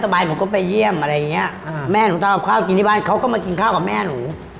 พื้นฐานเขาก็มากินข้าวกับแม่หนู